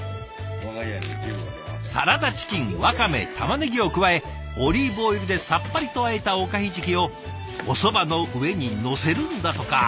サラダチキンわかめたまねぎを加えオリーブオイルでさっぱりとあえたおかひじきをおそばの上にのせるんだとか。